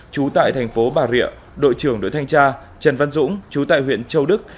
trú tại thành phố bà rịa đội trưởng đội thanh tra trần văn dũng chú tại huyện châu đức